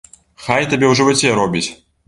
Хай табе ў жываце робіць!